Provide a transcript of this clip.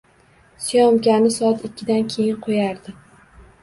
Syomkani soat ikkidan keyin qo‘yardi.